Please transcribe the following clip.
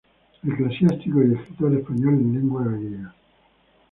Eclesiástico y escritor español en lengua gallega.